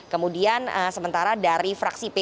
kemudian sementara dari fraksi p tiga